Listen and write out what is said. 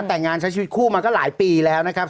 แต่งงานใช้ชีวิตคู่มาก็หลายปีแล้วนะครับ